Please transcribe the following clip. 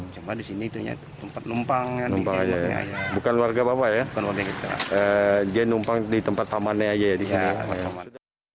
cuma di sini itu tempat numpang bukan warga kita dia numpang di tempat pamannya aja ya di sini